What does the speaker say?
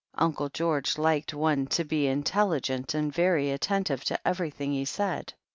Uncle George liked one to be intelligent and very attentive to everything he said.